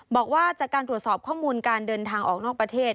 บอกว่าจากการตรวจสอบข้อมูลการเดินทางออกนอกประเทศ